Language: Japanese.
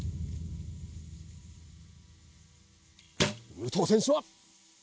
武藤選手は。